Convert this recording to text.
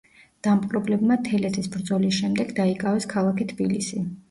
დამპყრობლებმა თელეთის ბრძოლის შემდეგ დაიკავეს ქალაქი თბილისი.